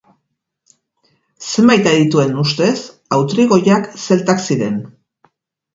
Zenbait adituen ustez autrigoiak zeltak ziren.